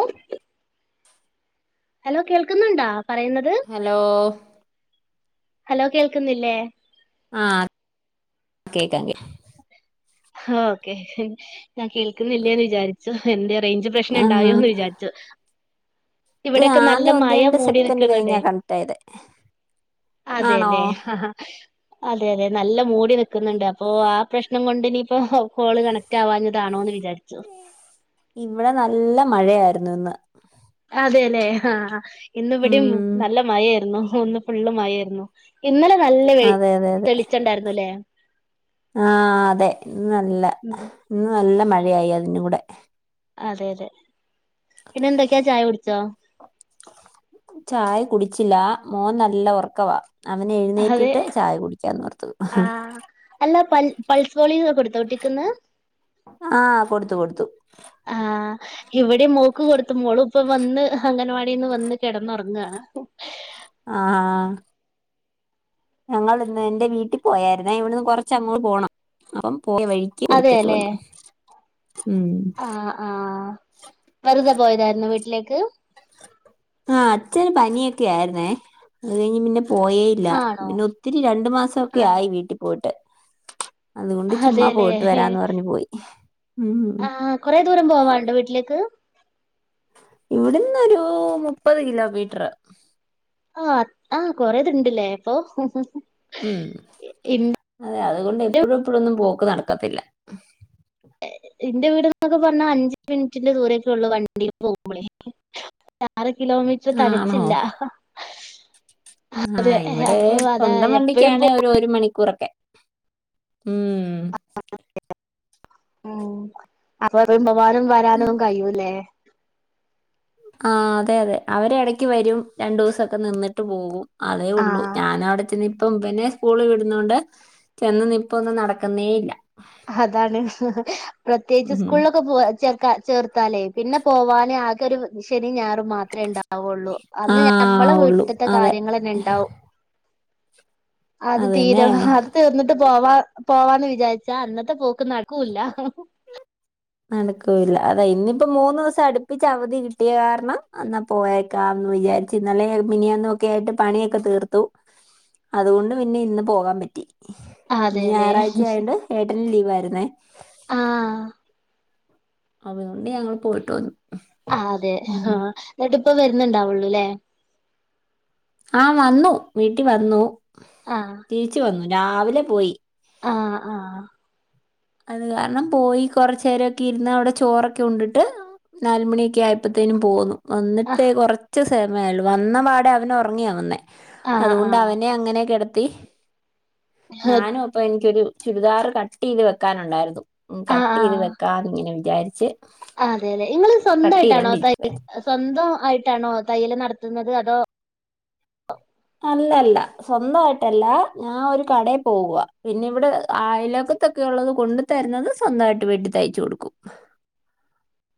ങും hello കേൾക്കുന്നുണ്ടോ hello hello കേൾക്കുന്നില്ലേ ആ കേക്കാം കേ ഹോം ഓക്കേ ഞാൻ കേൾക്കുന്നില്ലേന്ന് വിചാരിച്ചു എന്റെ റേഞ്ച് പ്രശ്നം ആ ഉണ്ടായോ എന്ന് വിചാരിച്ചു അല്ല ഇവിടെയൊക്കെ നല്ല ആദ്യം ഒന്ന് മഴ രണ്ട് മൂടി സെക്കൻഡ് കഴിഞ്ഞാ നിൽക്കുന്നുണ്ടേ കണക്ട് ആയത് ആണോ അതെല്ലേ അതെതെ നല്ല മൂടി നിൽക്കുന്നുണ്ട് അപ്പോ ആ പ്രശ്നം കൊണ്ട് ഇനിയിപ്പോ കോള് കണക്ട് ആവാഞ്ഞതാണോ എന്ന് വിചാരിച്ചു ഇവിടെ നല്ല മഴയായിരുന്നു ഇന്ന് അതെല്ലെ ആ ആഹ് ഇന്നിവിടെയും ഉം നല്ല മഴയായിരുന്നു ഇന്ന് ഫുള്ളും മഴയായിരുന്നു ഇന്നലെ നല്ല വെയി തെളിച്ചമുണ്ടായിരുന്നല്ലേ ആഹ് അതെ ഇന്ന് നല്ല ഉം ഇന്ന് നല്ല മഴയായി അതിനും കൂടെ അതെ അതെ പിന്നെന്തൊക്കെയാ ചായ കുടിച്ചോ ചായ കുടിച്ചില്ല മോൻ നല്ല ഉറക്കവാ അവന് അതെ എഴുന്നേറ്റിട്ട് ചായ കുടിക്കാന്നോർത്തു ആഹ് അല്ല പൽ പൾസ് പോളിയോക്ക കൊടുത്തോ കുട്ടിക്കിന്ന് ആ കൊടുത്തു കൊടുത്തു ആ ഇവിടെം മോക്ക് കൊടുത്തു മോള് ഇപ്പം വന്ന് അംഗൻവാടിന്ന് വന്ന് കെടന്നുറങ്ങയാണ് ആ ആ ഞങ്ങള്ന്ന് എന്റെ വീട്ടിൽ പോയാരുന്നേ ഇവിടുന്ന് കുറച്ചങ്ങോട്ട് പോണം അപ്പം പോയ വഴിക്ക് കൊടുത്തിട്ട് വന്നു ഉം ആ ആ വെറുതെ പോയതായിരുന്നൊ വീട്ടിലേക്ക് ആഹ് അച്ഛന് പനിയൊക്കെ ആയിരുന്നേ അത് കഴിഞ്ഞ് പിന്നെ പോയേയില്ല ആണോ പിന്നെ ഒത്തിരി രണ്ടു മാസമൊക്കെ ആഹ് ആയി വീട്ടിൽ പോയിട്ട് അതുകൊണ്ട് ചുമ്മാ അതെല്ലേ പോയിട്ട് വരാന്ന് പറഞ്ഞ് പോയി ഉം ആ കൊറെ ദൂരം പോവാണ്ടോ വീട്ടിലേക്ക് ഇവിടുന്ന് ഒരു മുപ്പത് കിലോമീറ്റർ ആ ആ കൊറെദൂരണ്ടല്ലേ അപ്പൊ ഉം അതെ അ അതുകൊണ്ട് എപ്പഴും എപ്പഴുമൊന്നും പോക്ക് നടക്കത്തില്ല എന്റെ വീടെന്നൊക്കെ പറഞ്ഞാൽ അഞ്ച് മിനിറ്റിന്റെ ദൂരമൊക്കേയുള്ളൂ വണ്ടിയിൽ പോകുമ്പഴേ ആറ് കിലോമീറ്റർ ആണോ തെകച്ചില്ല ആഹ് ഇവിടെ അപ്പൊ അതാ സ്വന്തം എപ്പഴും പോ വണ്ടിക്കാണ് ഒരു ഒരു മണിക്കൂറൊക്കെ ഉം ഉം അപ്പൊ [unintelligible] പോവാനും വരാനും കഴിയൂല്ലേ ആഹ് അതെ അതെ അവര് ഇടയ്ക്ക് വരും രണ്ടു ദിവസമൊക്കെ നിന്നിട്ട് പോകും അതേ ഉള്ളൂ ആഹ് ഞാനവിടെ ചെന്ന് ഇപ്പം ഇവനെ സ്കൂളിൽ വിടുന്ന കൊണ്ട് ചെന്ന് നിൽപ്പൊന്നും നടക്കുന്നേ ഇല്ല അതാണ് പ്രത്യേകിച്ച് ഉം. സ്കൂളിലൊക്കെ പോ ച ചേർത്താലേ പിന്നെ പോവാനെ ആകെ ഒരു ശനിം ഞായറും മാത്രമേ ഉണ്ടാവുള്ളൂ ആ അന്ന് നമ്മളെ ഉള്ളു വീട്ടിലത്തെ അതെ കാര്യങ്ങള് തന്നെ ഉണ്ടാവും അത് തീരെ അതന്നെ അത് തീർന്നിട്ട് പോവാ പോവാന്ന് വിചാരിച്ചാ അന്നത്തെ പോക്ക് നടക്കൂല്ല നടക്കൂല്ല അതെ ഇന്നിപ്പോ മൂന്ന് ദിവസം അടുപ്പിച്ച് അവധി കിട്ടിയ കാരണം എന്നാ പോയേക്കാം വിചാരിച്ചു ഇന്നലേം മിനിഞ്ഞാന്നും ഒക്കെ ആയിട്ട് പണിയൊക്കെ തീർത്തു അതുകൊണ്ട് പിന്നെ ഇന്ന് പോകാൻ പറ്റി ഇന്ന് അതെല്ലേ ഞായറാഴ്ച ആയോണ്ട് ഏട്ടനും ലീവായിരുന്നേ ആഹ് അത് കൊണ്ട് ഞങ്ങൾ പോയിട്ട് വന്നു ആ അതെ ആ ഉം. എന്നിട്ടിപ്പം വരുന്ന്ണ്ടാവുള്ളുല്ലേ ആഹ് വന്നു വീട്ടിൽ വന്നു ആഹ് രിച്ചു വന്നു രാവിലെ പോയി ആഹ് ആഹ് അത് കാരണം പോയി കൊറച്ച നേരമൊക്കെ ഇരുന്ന് അവിടെ ചോറൊക്കെ ഉണ്ടിട്ട് നാല് മണിയൊക്കെ ആയപ്പോഴത്തേനും പോകന്നു വന്നിട്ടേ ആഹ് കൊറച്ച് സമയേള്ളു വന്ന പാടെ അവന ഉറങ്ങിയാവന്നേ ആഹ് അതുകൊണ്ട് ആഹ് അവനെ അങ്ങനെൊ കെടത്തി ഞാനും അപ്പൊ എനിക്കൊരു ചുരിദാർ കട്ട് ചെയ്ത് വെക്കാനുണ്ടായിരുന്നു ഉം കട്ട് ചെയ്ത് വെക്കാന്ന് ഇങ്ങനെ വിചാരിച്ച് ആ അതെ അല്ലെ നിങ്ങള് കട്ട് സ്വന്തമായിട്ടാണോ തൈ ചെയ്തോണ്ടിരിക്കുവായിരുന്നു സ്വന്തം ആയി ട്ടാ ണോ തയ്യല് നടത്തുന്നത് അതോ അല്ലല്ല സ്വന്തമായിട്ടല്ല ഞാൻ ഒരു കടയിൽ പോവുക പിന്നെ ഇവിടെ ആയിലകത്തൊക്കെ ഉള്ളത് കൊണ്ട് തരുന്നത് സ്വന്തമായിട്ട് വീട്ടി തയ്ച്ചു കൊടുക്കും [inaudible]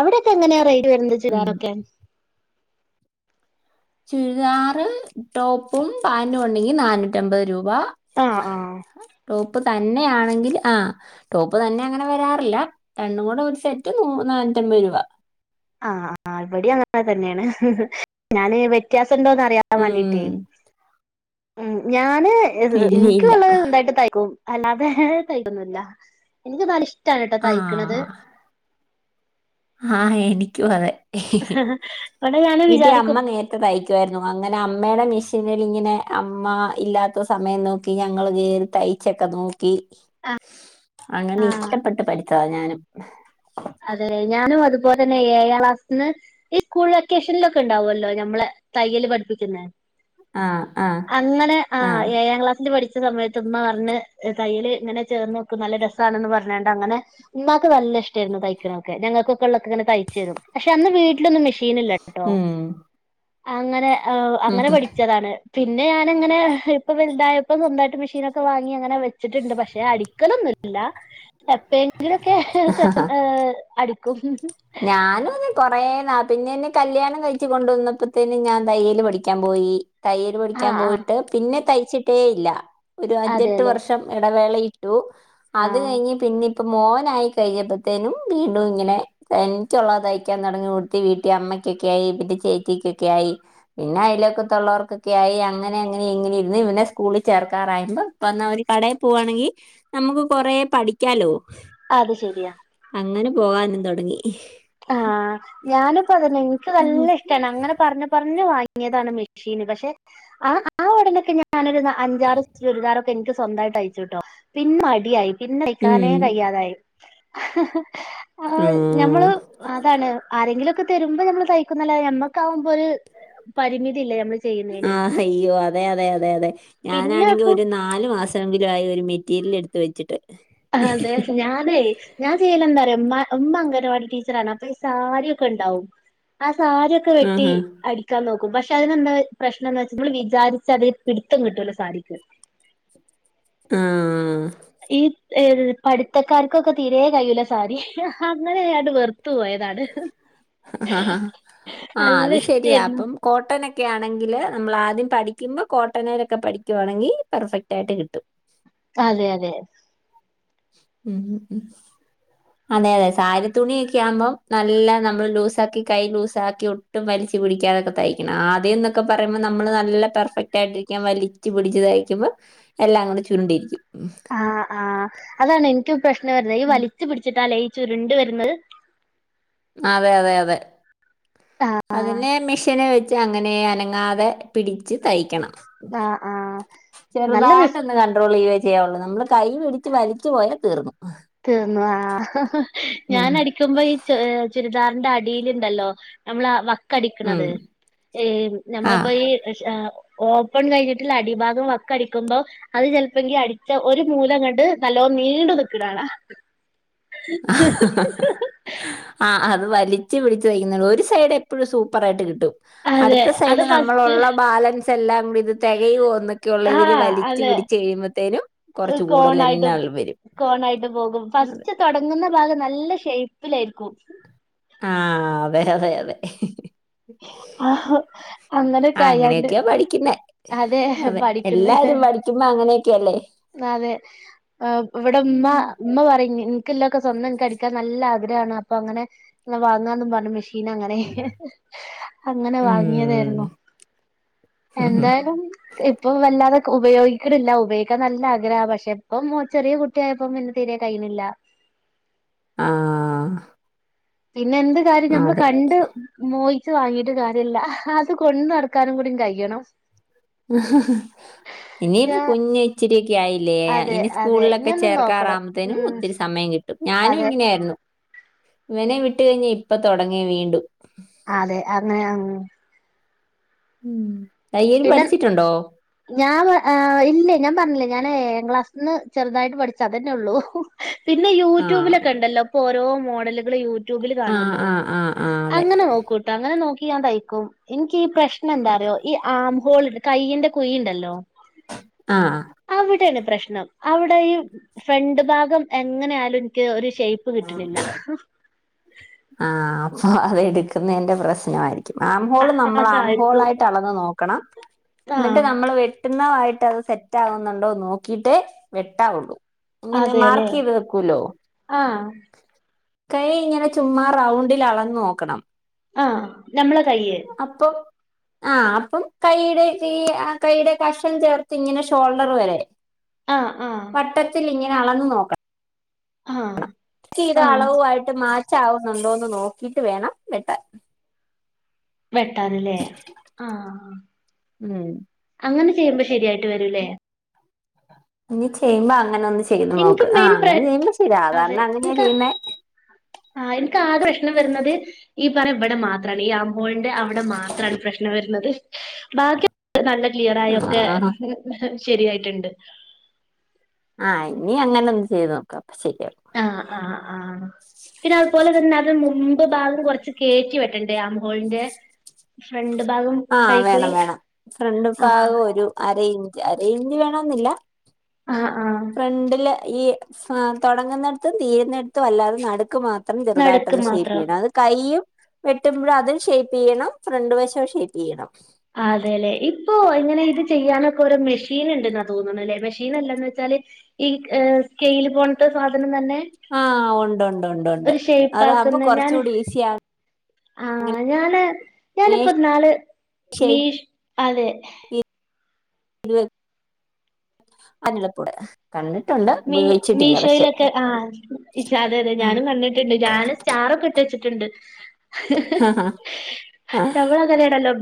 അവിടൊക്കെ എങ്ങനെയാ റെയ്ഡ് വരുന്നത് ഉം ചുരിദാറൊക്കെ ചുരിദാറ് ടോപ്പും പാന്റും ഉണ്ടെങ്കിൽ നന്നൂറ്റ അമ്പത് രൂപ ആഹ് ആഹ് വ ടോപ്പ പ്പ് തന്നെ ആണെങ്കിൽ ആ ടോപ്പ് തന്നെ അങ്ങനെ വരാറില്ല രണ്ടും കൂടെ ഒരു സെറ്റ് മുന പ്പ മുപത്തൻപത് രൂപ ആഹ ആ ഇപടി അങ്ങനെ തന്നെയാണ് ഞാന് വ്യത്യാസ ണ്ടോന്ന് അറിയൻ ഉം വേണ്ടിട്ടേ ഉ ഞാന് ഇല്ല എനിക്ക ഇല്ല ഉള്ളത് എന്തായിട്ട് തയക്കും അല്ലതേ തയ്ക്കൊന്നില്ല എനിക്ക് നല്ല ഇഷ്ടണ്ട്ടോ ആ തയ്ക്കണത് ആ എനിക്കും അതെ ഇവിടെ ഞാന് വീട്ടി വിചാരിക്കും അമ്മ നേരത്തെ തയ്ക്കുഅയിരുന്നു അങ്ങനെ അമ്മയുടെ മിശി നിൽ ഇങ്ങനെ അമ്മ ഇല്ലാത്ത സമയം നോക്കി ഞങ്ങ കയറി തയ്ച്ചൊക്കെ നോക്ക അങ്ങനെ ആഹ് ഇഷ്ടപ്പെട്ട് പഠിച്ചതാ ഞാനും അതെ ഞാനും അതുപോലെ തന്നെ ഏഴാം ക്ലാസ്സത്തിന്ന് ഈ സ്കൂൾ വെക്കേഷനില ഒക്കെ ഉണ്ടാവുമല്ലോ നമ്മളെ തയ്യൽ പഠിപ്പിക്കുന്ന ആ ആ അങ്ങനെ ആ ഏഴാം ക്ലാസ്സി പഠി ച്ച സമയത്ത് ഉമ്മ പറഞ്ഞ് തയ്യൽ ഇങ്ങനെ ചേർന്ന് നോക്ക നല്ല രസാണന്ന് പറഞ്ഞണ്ട് അങ്ങനെ ഉമ്മാക്ക് നല്ല ഇഷ്ടമായിരുന്നു തയ്ക്കക്കെഞങ്ങൾക്കെള്ളെ തയ്ച്ച തും പക്ഷെ അന്ന് വീട്ടലൊന്നും മെഷീണില്ലട്ടോ ഉം അങ്ങനെ ഉം അങ്ങനെ പഠിച്ചതാണ് പിന്നെ ഞാനിങ്ങെ ഇപ്പൊ വൽതായപ്പം സ്വന്തായിട്ട് മെഷീനൊക്കെ വാങ്ങി അങ്ങനെ വെച്ചിട്ടുണ്ട് പക്ഷെ അടിക്കലൊന്നില്ല എപ്പോയെങ്കിലുംക്കെ അടിക്കും ഞാനും അതെ കൊറേ നാ പിന്നെ കല്യാണം കഴിച്ച് കൊണ്ട വന്നപ്പോത്തന്നെ ഞാൻ തയ്യല് പഠിക്കാൻ പോയി തയ്യല് ആ പടിക്കാൻ ആ പോയിട്ട് പിന്നെ തയ്ച്ചിട്ടേ ഇല്ല ഒരു അഞ്ചെട്ട് അതെല്ലേ വർഷം ഇടവേള ട്ടു ആ അത് കഴിഞ്ഞ് പിന്നെ ഇപ്പ മോനായി കഴിയപ്പോത്തേനും വീണും ഇങ്ങനെ തനിച്ചുള്ളത്യ്ക്കാൻ തുടങ്ങി കൊടുത്തി വീട്ടിൽ അമ്മയ്ക്കൊക്കെ ആയി പിെ ചേച്ചക്ക്ക്കെ ആയി പിന്നെ അയാൽ വകാത്തുല്ലോർക്കൊക്കെ അങ്ങന അങ്ങനെങ്ങനെ ഇെ സ്കൂൽ ചേർക്കാറായുമ്പോ കടൽ ആണെങ്ക നമുക്ക് കൊറേ പഠിക്കാലോ അത് ശെരിയാ അങ്ങനെ പോകാനും തുടങ്ങി ആ ഞാനിപ്പോ ധന്നെ എനിക്ക് ഉം നല്ല ഇഷ്ടന്നേ അങ്ങനെ പറഞ് പറഞ്ഞ ഞ്ഞ് വങ്ങിയതാണ് മെഷീൻ പക്ഷെ ആ ഉടനെയൊക്കെ ഞാ അഞ്ചർ ചുരിദാറൊക്കെ എനിക്ക് സ്വന്തട്ട് അയച്ചുട്ടോ പിന്നെ മടിയായി പിന്നെ അഴക്കാനേ ഉം കയ്യാതായി ആ ആഹ് ഞമ്മള് ആരെങ്കിലുംക്കെ തരുമ്പോ നമ്മ തൈക്കും ന്നല്ലാദേ നമ്മക്കകുമ്പോ ഒരു പരിമിതിഇല്ല ആ അയ്യോ അതെ അതെ അതെ അതെ പിന്നെ ഞാനാണെങ്കിൽ ഇപ്പം ഒരു നാല് മാസം ങ്കില ആ ഒരു മെറ്റീരിയൽ എടുത്ത് വെച്ചിട്ട് അതെ ഞാനെയ് ഞാൻ ചെയ്യല എന്താറിയോ അമ്മ അംഗൻവാടി ടീച്ചറാണ് അപ്പൊസാരി ക്കെ ഉണ്ടാവും അധ് സാരിക്കെ വെട്ടി ആഹാ അടിക്കാൻ നോക്കും ക്കും പക്ഷെ അതിനന്താ പ്രശ്നം എന്ന് വെച്ചാ നമ്മൾ വിചാരിച്ച്തിൽ പിട്ത്തം കിട്ടുലോ സാരിക്ക് ആ ഏ പഠിത്തക്കാർക്കൊക്കെ ീരെേ കഴൂല്ല സാരി അങ്ങനെട്ട് വെറ ആഹ് നല്ല അത് ശരിയാ ഇഷ്ടായിരുന്നു അപ്പം കോട്ടെ ക്കെ ആണെങ്കിൽ നമ്മൾ ആദ്യം പഠിക്കുമ്പോ കോട്ടനയിലൊക്കെ പഠിക്കുവാണെങ്കിൽ പെർഫെക്റ്റ് ആയിട്ട് കിട്ടും അതെ അതെ ഉം ഉ ഉം അതെ അതെ സാരി തുണിയ ഒക്കെ ആകുമ്പോം നല്ല നമ്മള് ലൂസ ആക്കി കൈ ലൂസ ആക്കി ഒട്ടും വലിച്ചു പിടിക്കാതൊക്കെ തയ്ക്കണം ആദ്യം എന്നൊക്കെ പറയ്പോൾ നമ്മള് നല്ല പെർഫെക് ആട്ടിരിക്കാൻ വലിച്ച് പിടിച്ച് തയ്ക്കുമ്പോൾ എല്ലാം കൂടെ ചുരുണ്ടിരിക്കും ആഹ് ആഹ് അതാണ് എനിക്ക് പ്രശ്നം വരുന്നത് ഈ ഉം വലിച്ചു പിടിച്ചിട്ട് ലയിച്ചുരുണ്ട് വരുന്നത് അതെ അതെ അതെ ആഹ് അതിനെ മിഷന് വെച്ച് അങ്ങനെ അന- അങ്ങാതെ പിടിച്ചു തയ്ക്കണം ആഹ് ആഹ് നല്ല ചെറുതായിട്ട ഒന്ന് കണ്ട്രോൾ ചെയ- ശയാള്ളൂ നമ്മള് കൈ പിടിച്ച് വലിച്ചു പോയാൽ തീർന്നു തീർന്നുവാ ഉം. ഞാൻ ഉം. അടിക്കുമ്പോ ഈ ചുരിദാറിൻന്റെ അടി- ണ്ടല്ലോ നമ്മള ഉം. വക്കടിക്കുന്നത് ആ നമ്മളപ്പോ ഈ- ഓപ്പൺ കഴിഞ്ഞിട്ടുള്ള അടിഭാഗം വക്ക അടിക്കുമ്പോ അത് ചിലപ്പോെങ്ക അടിച്ച ഒരു മൂലം കണ്ട് നല്ലോ നീണ്ട നക്കിടണാ ആഹ് അത് വലി- ഉച്ചച്ച് പിളിച്ച വയ്ക്കുന്നുണ്ട് ഒരുൈഡ എപ്പോഴും സൂപ്പറായിട്ട് കിട്ടും അതെ അടുത്ത അത് സൈഡ് ഫസ്റ്റ് നമ്മളുള്ള ബാലൻസ് എല്ലാം കൂടി ഇത് തികയോ എന്നൊക്കെയള്ള ഇതിൽ ആഹ് വലിച്ച അതെ വി- കോണായിട്ട് തന്നെ ആൾ വരും കോണായിട്ട് പോകും അതെ. ഫസ്റ്റ് തങ്ങുന്ന ഭാഗം നല്ല ഷേപ്പിലായിരിക്കും ആഹ് അതെ അതെ അതെ അങ്ങനെ കയ്യാണ്ട് അങ്ങനെയൊക്കെയ പഠിക്കുന്നെ- അതെ എല്ലാരും പഠിക്കുമ്പോ അങ്ങനെയൊക്കെയല്ലേ അതെ് ഇവിടെ ഉമ്മ ഉം. ഉമ്മ പറ- നിനിക്കെല്ലാംക്കെ സ്വന്തം എനക്ക് അടിക്കാൻ നല്ല ആഗ്രഹമാണ് അപ്പൊ അങ്ങനെ വാങ്ങാന്ന പറഞ്ഞു മെഷീ- ൻ അങ്ങനെ അങ്ങനെ വാങ്ങിയതായിരുന്നു ഉം. എന്തായാലും ഇപ്പൊ വല്ലാതെ ഉപയോഗിക്കടില്ല ഉപയോഗിക്കാൻ നല്ല ആഗ്രഹ പക്ഷെ ഇപ്പം ചെറിയ കുട്ടിയായപ്പ പിന്നെ തീരെ ടൈമില്ല ആഹ് പിന്നെ എന്ത് കാര്യം നമ്മൾ കണ്ട് മോയി വാങ്ങീട്ട് കാര്യമില്ല അത് കൊണ്ട് നടക്കാനും കൂടി കഴിയണം ഇനി ഇപ്പൊ ഞാ കുഞ്ഞ ഇച്ചിരി ക്കായില്ലേ അതെ ഇനി അതെ ഇനി സ്കൂളിലൊക്കെ ഒന്ന് നോക്കണം ചേർക്കാറാുമ്പത്തേനും ഉം ഒത്തിരി സമയം കിട്ടി ഞാനും അതെ ഇങ്ങനെയായിരുന്നു ഇവനെ വിട്ട കഴിഞ്ഞഞ് ഇപ്പൊ തുടങ്ങിയ വീണ്ടു അതെ അങ്ങനെ ഉം തയ്യൽ പിന്നെ പഠിച്ചിട്ടുണ്ടോ? ഞാൻ ആ ഇല്ലേ ഞാൻ പറഞ്ഞില്ലേ ഞാൻ എഏ ക്ലാസ്സിൽ നിന്ന് ചെറുതായിട്ട് പഠിച്ചാത തന്നെ ഉള്ളൂ പിന്നെ ആ. യൂട്യൂബിലൊക്കെ ഉണ്ടല്ലോ ഇപ്പോ ഓരോ മോഡലുകൾ യൂ യടൂബിൽ ആ കാണല്ലോ ആ ആ ആ അതെ. അങ്ങനെ നോക്കൂട്ടോ അങ്ങനെ നോക്കിയക്കും ഈ പ്രശ്ന എന്താറോ ഈ ആംഹോൾ കയ്യന്റെ കുഴുണ്ടല്ലോ ആഹ പ്രശ്നം അവിടെ ഫ്രണ്ട് ഭാഗം എങ്ങനൊലും എനിക്ക് ഷേപ്പ് കിട്ടുന്നില്ല ആ അപ്പൊ അതെടുക്കുന്നതിന്റെ പ്രശ്നമായിരിക്കും ആംഹോള് ആ നമ്മൾ ആംഹോൾ താഴത്തു ആയിട്ട് അളന്ന് നോക്കണം ആ എന്നിട്ട് നമ്മൾ വ കിട്ടുന്നതായിട്ട് അത് സെറ്റ ആകുന്നുണ്ടോ നോക്കിട്ടേ വെട്ടാവുള്ളൂ അങ്ങനെ അതെല്ലേ മാർക്ക് ചെയ്ത് വെക്കൂലോ ആ കൈ ഇങ്ങനെ ചുമ്മാ റൗ ആഹ് നമ്മളെ കയ് ആഹ് അപ്പം കൈയുടെ ഈ കൈയുടെ കഷം ചേർത്ത് ഇങ്ങനെ ഷോൾഡർ വരെ ആഹ് ആഹ് വട്ടത്തിൽ ഇങ്ങനെ അളന്ന് നോക്കാം ആഹ് ഇത് അളവു ആയിട്ട് മാറ്റാവുന്നുണ്ടോന്ന് നോക്കിട്ട് വേണം വെട്ടാൻ വെട്ടാനല്ലേ ആ ഉം അങ്ങനെ ചെയ്യുമ്പോ ശരിയായിട്ട് വരല്ലേ ഇ ചെയ്യുമ്പോ അങ്ങനെ ഒന്ന് ചെയ്ത് എനിക്ക് നോക്ക് മെയിൻ ആഹ് പ്ര അങ്ങനെ ചെയ്യുമ്പ ശരിയാ കാരണം അങ്ങനെയാ ചെയ്യുന്നത് ആഹ് എനിക്ക് ആകഷ്നം വരുന്നത് ഈ പറ ഇവിടെ മാത്രമാണ് ഈ ആമ്പോഴിന്റെ അവിടെ മാത്രമാണ് പ്രശ്നം വരുന്നത് ബാക്കി നല്ല ക്ലിയറ ആയൊക്കെ ആഹ് ശരിയായിട്ടുണ്ട് ആഹ് ഇനി അങ്ങനെ ഒന്ന് ചെയ്ത് നോക്കാം അപ്പൊ ശരിയാവും ആഹ ആ ആഹ് പിന്നെ അതുപോലെ തന്നെ അതി മുമ്പ് ഭാഗം കുറച്ച് കേയറ്റി വറ്റണ്ടേ ആംഹോളിന്റെ ഫ്രണ്ട് ഭാഗം ആഹ് വേണം കൈക്കുഴി വേണം ഫ്രണ്ട് ആഹ് ഭാഗം ഒരു അര ഇഞ്ച് അര ഇഞ്ച് വേണെന്നില്ല ആഹ് ആഹ് ഈ തുടങ്ങുന്നിടത്തും തീരുന്നിടത്തും അല്ലാതെ നടുക്ക് മാത്രം അത്രം നടുക്ക് ചെറുതായിട്ടൊന്ന് ഷേപ്പ് മാത്രം ചെയ്യണം അത് കൈ്യും വെട്ടുമ്പോും അതും ഷേപ്പ് ചെയ്യണം ഫ്രണ്ട് വശം ഷേ്ണം വീണം ആ അതെ അല്ലെ ഇപ്പൊ ഇങ്ങനെ ഇത് ചെയ്യാനൊക്കെ ഒരു മെഷീൻ ഉണ്ട്ന്നാ തോന്നണല്ലേ മെഷീൻ അല്ലാന്ന് വെച്ചാൽ ഈ സ്കെയില് പോണത്തെ സാധനം തന്നെ ആ ഉണ്ട് ഉണ്ട് ഉണ്ട് ഉണ്ട് ഒരു ഷേപ്പ് അതാകുമ്പോ ആക്കുന്ന ഞാൻ കുറച്ചുകൂടി ഈസിയാണ് അങ്ങനെ ആഹ് ഞാന് ഞാനിപ്പൊ നാള് ഷേപ്പ് മീഷ് അതെ ഇരു അനിളപ്പുട കണ് മീ മീഷോയിലൊക്കെ ആ അതെ അതെ ഞാനും കണ്ടിട്ടുണ്ട് ഞാന് സ്റ്റാറ ഒക്കെ ഇട്ട് വെച്ചിട്ട് ആ നമ്മളങ്ങനേണല്ലോ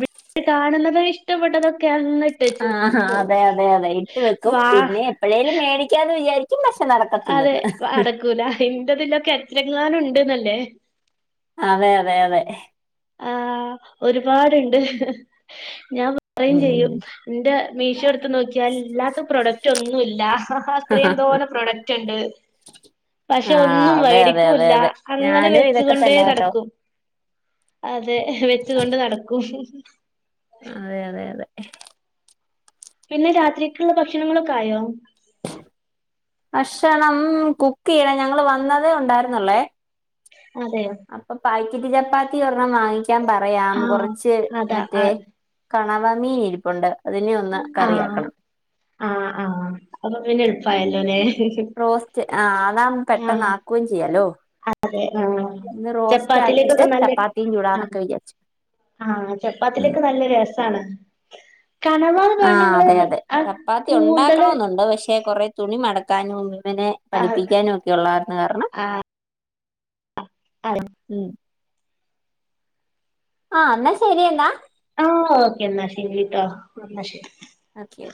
കാണുന്നത് ഇഷ്ടപ്പെട്ടതൊക്കെ എന്നിട്ട് ചോപ്പോ അതെ അതെ അതെ ഇട്ട് വെക്കും വാ പിന്നെ എപ്പോഴേലും മേടിക്കാന്ന് വിചാരിക്കും പക്ഷെ അതെ നടക്കത്തില്ലെന്ന് നടക്കൂല എന്തതിലൊക്കെ എത്ര ങ്ങാനും ഉണ്ട്ന്നല്ലേ അതെ അതെ അതെ ആഹ് ഒരുപാടുണ്ട് ഞാൻ പറുകയും ചെയ്യും ഉം എന്റെ നോക്കിയാ അല്ലാത്ത പ്രോഡക്റ്റ് ഒന്നുല്ല അത്രയും തോന്ന പ്രോഡക്റ്റ് ഉണ്ട് പക്ഷെ ആഹ് ഒന്നും അതെ അതെ അതെ മേടിക്കൂല്ല അതെ അങ്ങനെ ഞാനും വെച്ചുക ഇതൊക്കെ കൊണ്ടേ തന്നെ കേട്ടോ നടക്കും അതെ വെച്ചു കൊണ്ട് നടക്കും അതെ അതെ അതെ പിന്നെ രാത്രിക്ക് ഉള്ള ഭക്ഷണങ്ങളൊക്കെയോ ഭക്ഷണം കുക്ക് ചെയ്യണം ഞങ്ങള് വന്നതേ ഉണ്ടായിരുന്നല്ലേ അതെയോ അപ്പൊ പാക്കറ്റ് ചപ്പാത്തി ഒരെണ്ണം വാങ്ങിക്കാൻ പറയാം ആഹ് കുറച്ച് അതാ മറ്റേ ആഹ് കണവ മീൻ ഇരിപ്പുണ്ട് അതിനെ ഒന്ന് കറിയാക്കണം ആഹ് ആഹ് അപ്പൊ പിന്നെ ഉം എളുപ്പായല്ലോല്ലേ റോസ്റ്റ് ആ അതാം പെട്ടെന്ന് ആഹ് ആാക്കുകയും ചെയ്യാലോ അതെ ആഹ് ഇന്ന് റോസ്റ്റ് ആക്കിട്ട് ചപ്പാത്തിലേക്കൊക്കെ നല്ല ചപ്പാത്തിയും ആഹ് ചൂടാന്നൊക്കെ വിചാരിച്ചു ആഹ് ഉം ചപ്പാത്തിലേക്ക് നല്ല രസമാണ് ആ അതെ അതെ ആ ചപ്പാത്തി കൂന്തള് ഉണ്ടാക്കണെന്നുണ്ട് പക്ഷെ കുറെ തുണി മടക്ക ക്കാനും ഇവനെ ആഹ് പഠിപ്പിക്കാനും ഒക്കെ ഉള്ളർരുന്ന കാരണം. ആ ഉം ആ എന്നാ ശരിയെന്നാ. ആഹ് ഓക്ക എന്നാശരിട്ടോ. എന്നാ ശരി ഓക്കെ